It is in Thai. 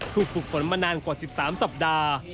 ถูกฝึกฝนมานานกว่า๑๓สัปดาห์